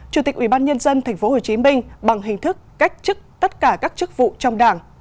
chủ tịch ủy ban nhân dân tp hcm bằng hình thức cách chức tất cả các chức vụ trong đảng